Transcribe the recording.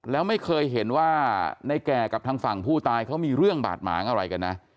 แล้วไม่เคยเห็นว่าในแก่กับทางฝั่งผู้ตายเขามีเรื่องบาดหมางอะไรกันนะ